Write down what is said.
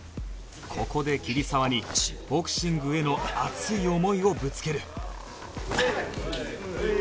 ここで桐沢にボクシングへの熱い思いをぶつける